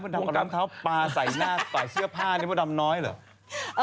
เหรอเปิดไปแล้วเขาปาใส่เตาสายเสื้อพาถึงมาดำน้อยหรือ